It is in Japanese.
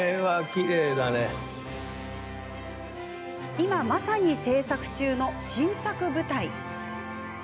今、まさに制作中の新作舞台。